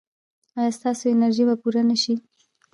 ایا ستاسو انرژي به پوره نه شي؟